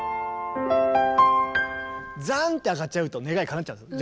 ざんって上がっちゃうと願いかなっちゃうんですよ。